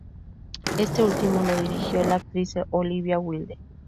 Este último lo dirigió la actriz Olivia Wilde.